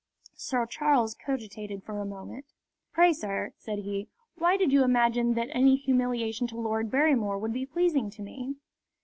Sir Charles cogitated for a moment. "Pray, sir," said he, "why did you imagine that any humiliation to Lord Barrymore would be pleasing to me?"